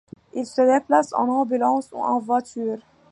Il se déplace en ambulance ou en voiture.